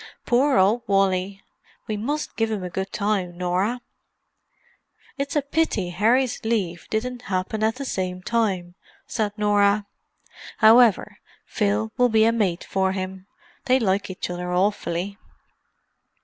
"Poor old Wally! We must give him a good time, Norah." "It's a pity Harry's leave didn't happen at the same time," said Norah. "However, Phil will be a mate for him; they like each other awfully."